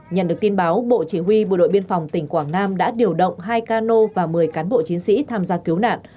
nhận được tin báo bộ chỉ huy bộ đội biên phòng tỉnh quảng nam đã điều động hai cano và một mươi cán bộ chiến sĩ tham gia cứu nạn